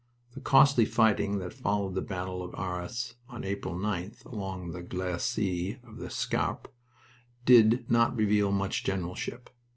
The costly fighting that followed the battle of Arras on April 9th along the glacis of the Scarpe did not reveal high generalship.